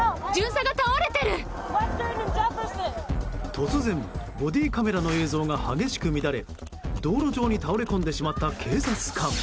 突然、ボディーカメラの映像が激しく乱れ道路上に倒れ込んでしまった警察官。